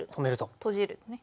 閉じるね。